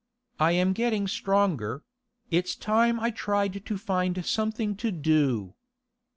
I am getting stronger; it's time I tried to find something to do.